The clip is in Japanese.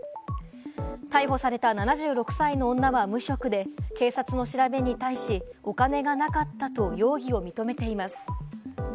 逮捕された７６歳の女は無職で、警察の調べに対し、お金がなかったと容疑を認めています。